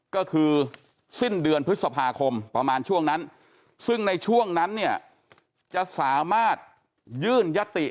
ก็คือสิ้นเดือนพฤษภาคมประมาณช่วงนั้นซึ่งในช่วงนั้นเนี่ยจะสามารถยื่นยติ